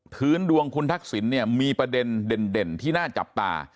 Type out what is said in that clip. พื้นดวงคุณทักษิณเนี่ยมีประเด็นเด่นที่น่าจับตา